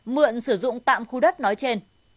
mượn sử dụng tạm khu đất nói trên